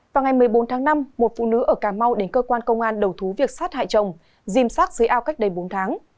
vào ngày một mươi bốn tháng năm một phụ nữ ở cà mau đến cơ quan công an đầu thú việc sát hại chồng dìm sát dưới ao cách đây bốn tháng